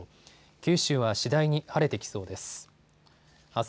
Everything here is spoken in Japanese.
九州は次第に晴れてきそうです。